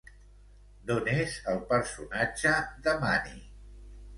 D'on és el personatge de Máni?